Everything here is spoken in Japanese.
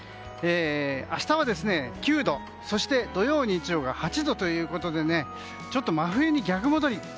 明日は９度、そして土曜、日曜が８度ということでちょっと真冬に逆戻り。